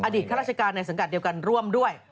ข้าราชการในสังกัดเดียวกันร่วมด้วย